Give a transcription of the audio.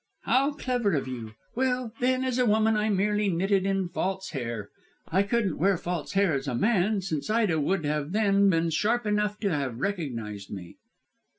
"How clever of you. Well, then, as a woman I merely knitted in false hair. I couldn't wear false hair as a man since Ida would then have been sharp enough to have recognised me.